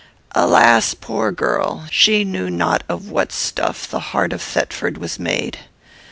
"Alas, poor girl! She knew not of what stuff the heart of Thetford was made.